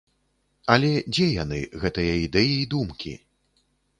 Але дзе яны, гэтыя ідэі і думкі?